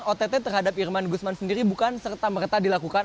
ott terhadap irman gusman sendiri bukan serta merta dilakukan